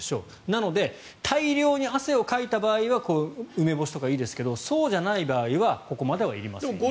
なので、大量に汗をかいた場合は梅干しとかいいですけどそうじゃない場合はここまではいりませんよと。